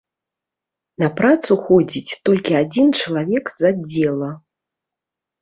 На працу ходзіць толькі адзін чалавек з аддзела.